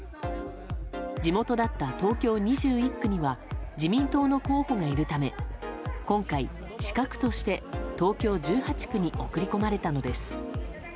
地元だった東京２１区には自民党の候補がいるため今回、刺客として東京１８区に送り込まれたのです。